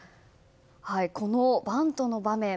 このバントの場面。